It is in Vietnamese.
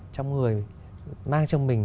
trong người mang trong mình